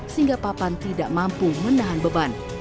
sehingga papan tidak mampu menahan beban